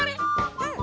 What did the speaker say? うん。